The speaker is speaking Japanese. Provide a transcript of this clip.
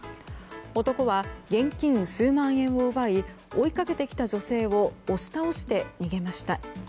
男は現金数万円を奪い追いかけてきた女性を押し倒して逃げました。